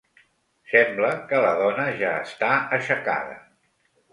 Sembla que la dona ja està aixecada.